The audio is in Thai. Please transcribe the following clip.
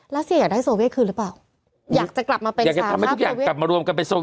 เสียอยากได้โซเว่คืนหรือเปล่าอยากจะกลับมาเป็นอยากจะทำให้ทุกอย่างกลับมารวมกันไปโซ